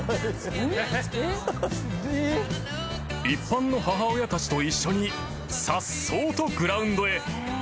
［一般の母親たちと一緒にさっそうとグラウンドへ］